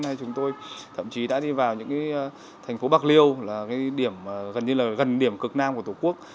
hay chúng tôi thậm chí đã đi vào những cái thành phố bạc liêu là cái điểm gần như là gần điểm cực nam của tổ quốc